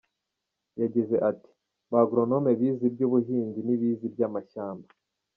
Yagize ati :”Ba agronome bize iby’ubuhinzi ntibize iby’amashyamba”.